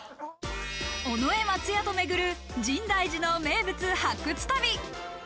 尾上松也と巡る深大寺の名物発掘旅。